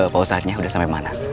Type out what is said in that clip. paus saatnya udah sampai mana